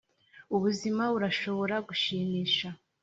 ubuzima burashobora gushimisha,